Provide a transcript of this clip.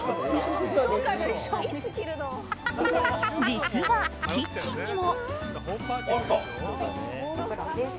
実は、キッチンにも。